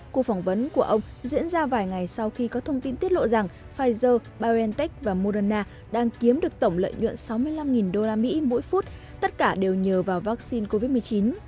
cuộc phỏng vấn của ông diễn ra vài ngày sau khi có thông tin tiết lộ rằng pfizer biontech và moderna đang kiếm được tổng lợi nhuận sáu mươi năm usd mỗi phút tất cả đều nhờ vào vaccine covid một mươi chín